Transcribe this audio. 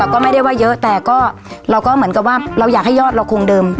ก็ไม่ได้ว่าเยอะแต่เราก็เหมือนกับว่าเราอยากให้ยอดเราคงเดิม